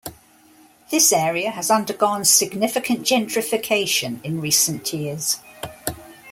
This area has undergone significant gentrification in recent years.